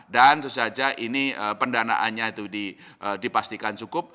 dan tentu saja ini pendanaannya itu dipastikan cukup